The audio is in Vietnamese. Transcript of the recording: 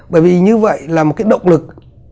bởi vì như vậy là một cái động lực